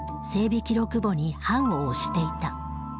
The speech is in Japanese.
記録簿に判を押していた。